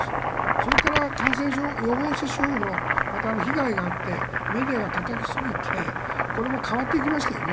それから、感染症予防接種法の被害があってメディアがたたきすぎてこれも変わっていきましたよね。